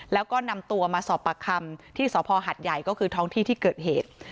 แล้วก็นำตัวมาสอบปากคำที่สภหัดใหญ่ก็คือท้องที่ที่เกิดเหตุ